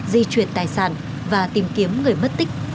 di chuyển tài sản và tìm kiếm người mất tích